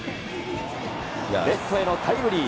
レフトへのタイムリー。